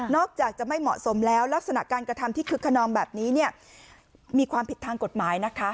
นอกจากจะไม่เหมาะสมแล้วลักษณะการกระทำที่คึกขนอมแบบนี้เนี่ย